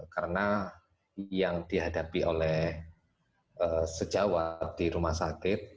karena yang dihadapi oleh sejawat di rumah sakit